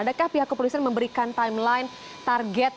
adakah pihak kepolisian memberikan timeline target